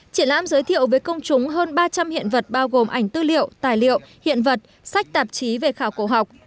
triển lãm giới thiệu với công chúng hơn ba trăm linh hiện vật bao gồm ảnh tư liệu tài liệu hiện vật sách tạp chí về khảo cổ học